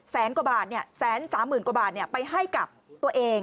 แสนกว่าบาทเนี่ย๑๓๐๐๐๐กว่าบาทเนี่ยไปให้กับตัวเอง